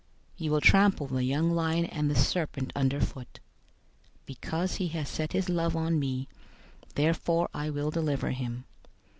You will trample the young lion and the serpent underfoot. 091:014 "Because he has set his love on me, therefore I will deliver him.